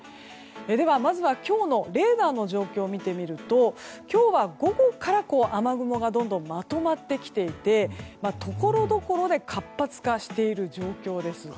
では、まず今日のレーダーの状況を見てみると今日は午後から雨雲がどんどんまとまってきていてところどころで活発化している状況です。